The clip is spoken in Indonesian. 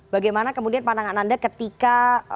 bagaimana kemudian pandangan anda ketika